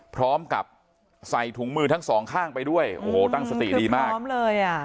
พร้อมกับใส่ถุงมือทั้งสองข้างไปด้วยโอ้โหตั้งสติดีมากพร้อมเลยอ่ะ